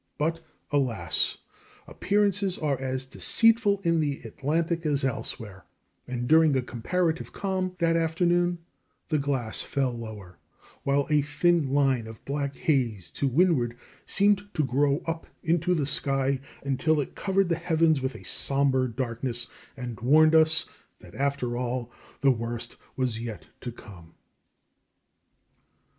But alas! appearances are as deceitful in the Atlantic as elsewhere; and during a comparative calm that afternoon the glass fell lower, while a thin line of black haze to windward seemed to grow up into the sky, until it covered the heavens with a somber darkness, and warned us that, after all, the worst was yet to come.